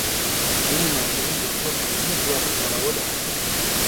ځینې محصلین د خپل ذهني ځواک لوړولو هڅه کوي.